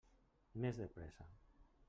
Més de pressa!